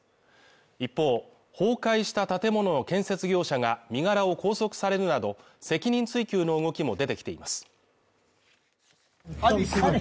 一方崩壊した建物の建設業者が身柄を拘束されるなど責任追及の動きも出てきています